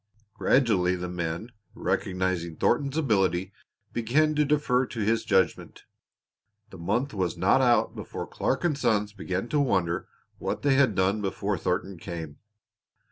Gradually the men, recognizing Thornton's ability, began to defer to his judgment. The month was not out before Clark & Sons began to wonder what they had done before Thornton came.